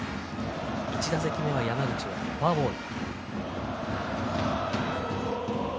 １打席目は山口はフォアボール。